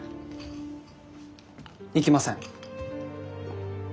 行きません。